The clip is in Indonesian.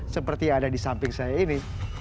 seperti ada di samping saya ini